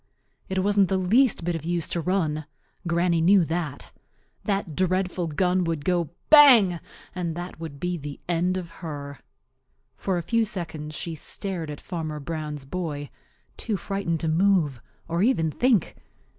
It wasn't the least bit of use to run. Granny knew that. That dreadful gun would go "bang!" and that would be the end of her. For a few seconds she stared at Farmer Brown's boy, too frightened to move or even think.